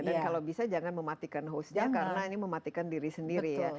dan kalau bisa jangan mematikan hostnya karena ini mematikan diri sendiri ya